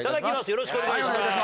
よろしくお願いします。